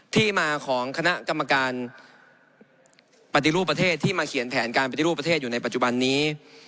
ที่มาของคณะกรรมการปฏิรูปประเทศที่มาเขียนแผนการปฏิรูปประเทศอยู่ในปัจจุบันนี้